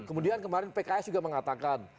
kemudian kemarin pks juga mengatakan